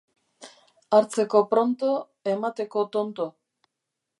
Hartzeko pronto, emateko tonto.